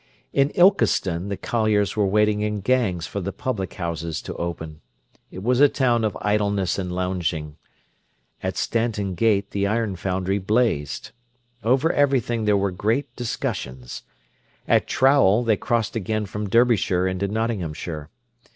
In Ilkeston the colliers were waiting in gangs for the public houses to open. It was a town of idleness and lounging. At Stanton Gate the iron foundry blazed. Over everything there were great discussions. At Trowell they crossed again from Derbyshire into Nottinghamshire.